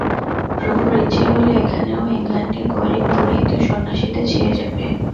প্রভুর ইচ্ছে হলে এখানে ও ইংলণ্ডে গৈরিক-পরিহিত সন্ন্যাসীতে ছেয়ে যাবে।